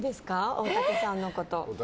大竹さんのこと。